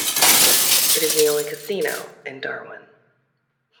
It is the only casino in Darwin.